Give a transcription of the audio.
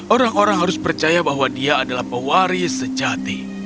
orang orang harus percaya bahwa dia adalah pewaris sejati